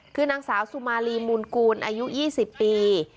คือนางสาวสุมาลีมูลกูลอายุ๒๐ปี